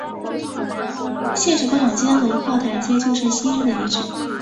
现时官涌街和炮台街就是昔日的遗址。